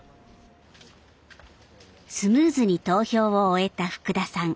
スムーズに投票を終えた福田さん。